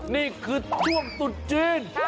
นี่คือช่วงตุดจีน